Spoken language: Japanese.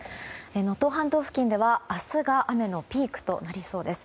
能登半島付近では、明日が雨のピークとなりそうです。